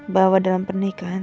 bahwa dalam pernikahan